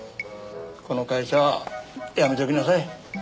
この会社はやめときなさい。